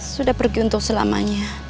sudah pergi untuk selamanya